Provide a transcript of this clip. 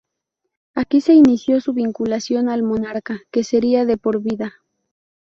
Aquí se inició su vinculación al monarca, que sería de por vida.